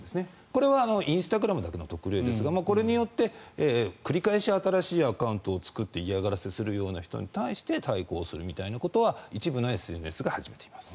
これはインスタグラムだけの特例ですがこれによって繰り返し新しいアカウントを作って嫌がらせするような人に対して対抗するみたいなことは一部のＳＮＳが始めています。